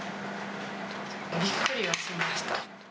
びっくりはしました。